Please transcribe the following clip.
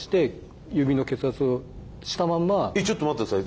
えちょっと待ってください。